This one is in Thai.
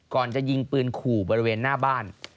ก่อนจะยิงปืนขู่บริเวณหน้าบ้าน